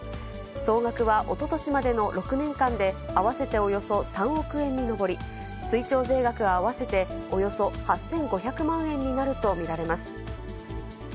総額はおととしまでの６年間で、合わせておよそ３億円に上り、追徴税額合わせておよそ８５００万円になると見られます。